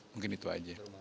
mungkin itu aja